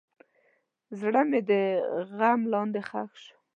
زړه مې د غم لاندې ښخ شو.